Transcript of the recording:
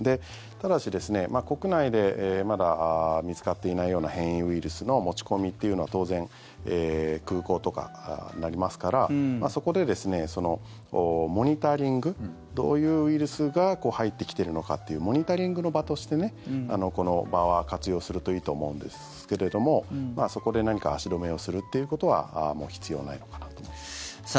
ただし、国内でまだ見つかっていないような変異ウイルスの持ち込みというのは当然、空港とかになりますからそこでモニタリングどういうウイルスが入ってきているのかっていうモニタリングの場としてこの場は活用するといいと思うんですけれどもそこで足止めするということはもう必要ないのかなと思っています。